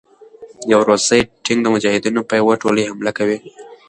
يو روسي ټېنک د مجاهدينو په يو ټولې حمله کوي